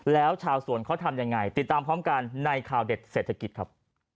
แล้วชาวสวนเขาทำยังไงติดตามพร้อมกันในข่าวเด็ดเศรษฐกิจครับ